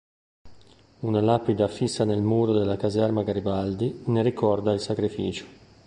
Una lapide affissa nel muro della caserma Garibaldi, ne ricorda il sacrificio.